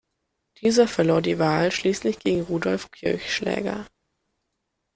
Dieser verlor die Wahl schließlich gegen Rudolf Kirchschläger.